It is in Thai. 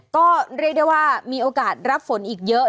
ก็เรียกได้ว่ามีโอกาสรับฝนอีกเยอะ